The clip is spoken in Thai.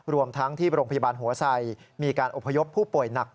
รวมทั้งที่โรงพยาบาลหัวไสมีการอบพยพผู้ป่วยหนัก